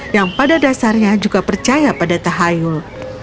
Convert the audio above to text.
yang pada dasarnya juga percaya pada tahayul